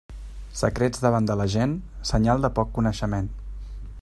Secrets davant de la gent, senyal de poc coneixement.